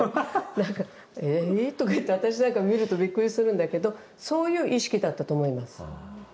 なんか「え」とかいって私なんか見るとびっくりするんだけどそういう意識だったと思います。